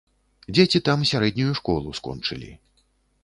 Дзеці там сярэднюю школу скончылі.